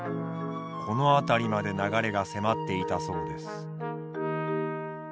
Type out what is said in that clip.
この辺りまで流れが迫っていたそうです。